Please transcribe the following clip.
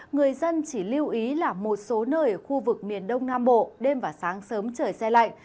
người dân chỉ lưu ý là một số nơi ở khu vực miền đông nam bộ đêm và sáng sớm trời xe lạnh